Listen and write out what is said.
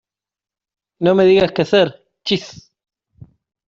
No me digas qué hacer. ¡ chis!